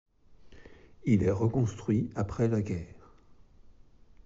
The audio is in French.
Il est reconstruit après la guerre.